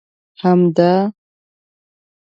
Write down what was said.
همدا!